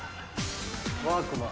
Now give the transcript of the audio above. ワークマン。